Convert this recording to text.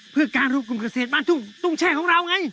เพื่อการรวมกลุ่มเกษตรบ้านทุ่งตุ้งแช่ของเราไง